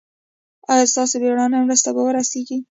ایا ستاسو بیړنۍ مرسته به ورسیږي؟